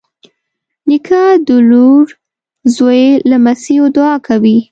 نیکه د لور، زوی، لمسيو دعا کوي.